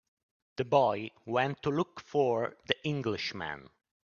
The boy went to look for the Englishman.